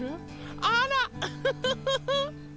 あらウフフフフ！